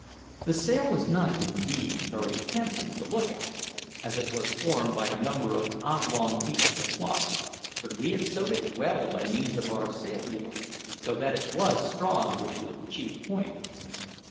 The sail was not, indeed, very handsome to look at, as it was formed of a number of oblong patches of cloth; but we had sewed it well by means of our sail needle, so that it was strong, which was the chief point.